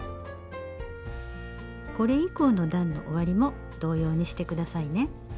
これ以降の段の終わりも同様にしてくださいね。